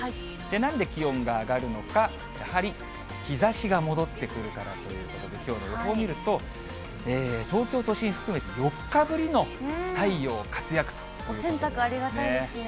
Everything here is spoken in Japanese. なんで気温が上がるのか、やはり日ざしが戻ってくるからということで、きょうの予報を見ると、東京都心含めて、４日ぶりの太陽活躍ということですね。